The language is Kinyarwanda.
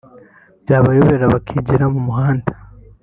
byabayobera bakigira mu muhanda